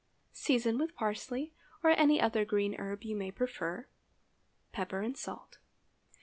Season with parsley or any other green herb you may prefer, pepper, and salt.